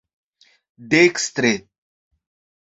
dekstre